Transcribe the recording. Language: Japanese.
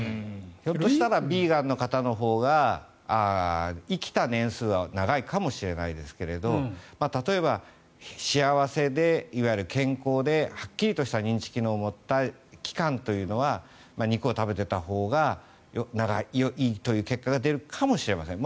ひょっとしたらビーガンの方のほうが生きた年数は長いかもしれないですけれど例えば、幸せでいわゆる健康ではっきりとした認知機能を持った期間というのは肉を食べていたほうがいいという結果が出るかもしれません。